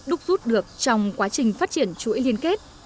đúc rút được trong quá trình phát triển chuỗi liên kết